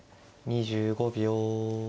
２５秒。